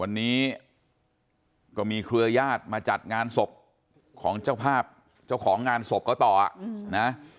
วันนี้ก็มีเครือญาติมาจัดงานศพของเจ้าภาพเจ้าของงานศพก็ต่อนะ